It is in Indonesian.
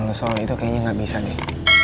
lo soal itu kayaknya gak bisa deh